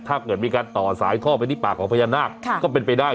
ถ้าเกิดมีการต่อสายท่อไปที่ปากของพญานาคก็เป็นไปได้